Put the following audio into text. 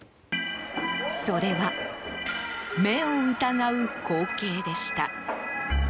それは、目を疑う光景でした。